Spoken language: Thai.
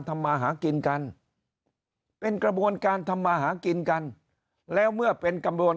ทำมาหากินกันเป็นกระบวนการทำมาหากินกันแล้วเมื่อเป็นกระบวน